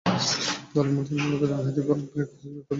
দলে তিনি মূলতঃ ডানহাতি অফ ব্রেক বোলার হিসেবে খেলছেন।